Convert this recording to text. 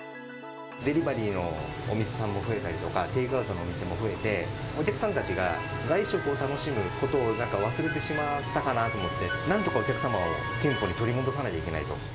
デリバリーのお店さんも増えたりとか、テイクアウトのお店も増えて、お客さんたちが外食を楽しむことを忘れてしまったかなと思って、なんとかお客様を店舗に取り戻さないといけないと。